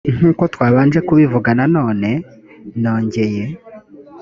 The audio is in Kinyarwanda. nk uko twabanje kubivuga na none nongeye